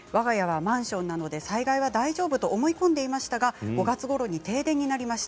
マンションなので災害は大丈夫だと思っていましたが５月ごろに停電になりました。